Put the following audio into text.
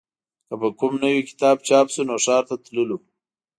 که به کوم نوی کتاب چاپ شو نو ښار ته تللو